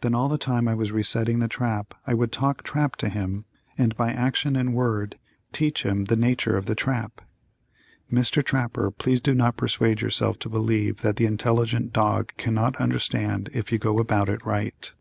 Then all the time I was resetting the trap I would talk trap to him, and by action and word teach him the nature of the trap. Mr. Trapper, please do not persuade yourself to believe that the intelligent dog cannot understand if you go about it right.